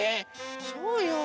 そうよ。